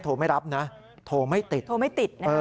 โทรไม่รับนะโทรไม่ติด